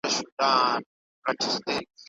محصلین دې څانګې ته ډېره علاقه لري.